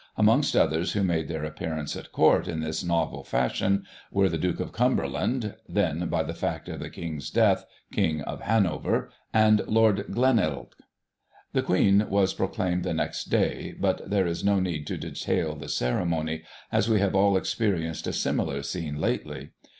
Amongst others who made their appearance at Court in this novel fashion were the Duke of Cumberland (then, by the fact of the King's death, King of Hanover) and Lord Glenelg. The Queen was proclaimed the next day, but there is no need to detail the ceremony, as we have all experienced a similar scene lately.